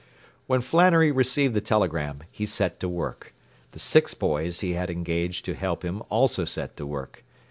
When Flannery received the telegram he set to work. The six boys he had engaged to help him also set to work.